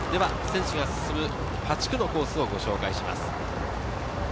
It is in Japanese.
選手が進む８区のコースをご紹介します。